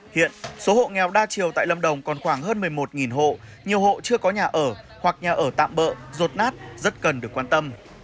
hiện số hộ nghèo đa chiều tại lâm đồng còn khoảng hơn một mươi một hộ nhiều hộ chưa có nhà ở hoặc nhà ở tạm bỡ rột nát rất cần được quan tâm